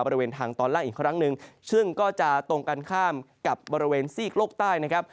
บริเวณทางตอนล่างอีกครั้งหนึ่งซึ่งก็จะตรงกันข้ามกับบริเวณซีกโลกใต้นะครับ